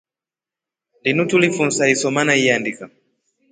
Linu tulifunsa isoma na iandika.